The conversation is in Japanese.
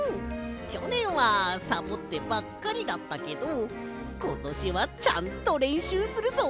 きょねんはサボってばっかりだったけどことしはちゃんとれんしゅうするぞ！